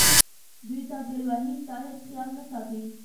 دوی تا ټېل وهي ستا هیڅ خیال نه ساتي.